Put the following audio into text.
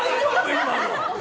今の。